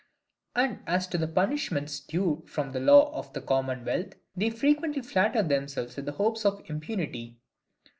And as to the punishments due from the laws of the commonwealth, they frequently flatter themselves with the hopes of impunity.